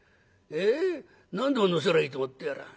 ええ？何でも乗せりゃいいと思ってやらあ。